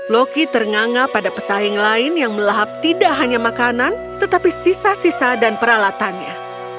loki ternganga pada pesaing lain yang melahap tidak hanya makanan tetapi sisa sisa dan peralatannya